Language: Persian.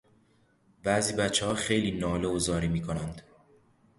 بعضی بچهها خیلی ناله و زاری میکنند.